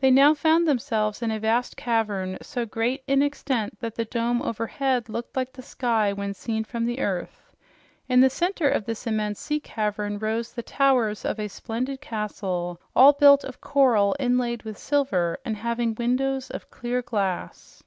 They now found themselves in a vast cavern, so great in extent that the dome overhead looked like the sky when seen from earth. In the center of this immense sea cavern rose the towers of a splendid castle, all built of coral inlaid with silver and having windows of clear glass.